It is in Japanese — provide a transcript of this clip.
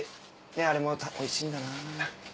あれもおいしいんだなぁ。